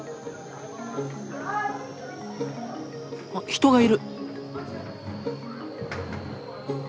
人がいる。